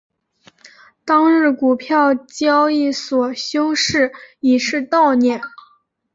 当日股票交易所休市以示悼念。